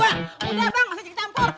udah bang masa cik campur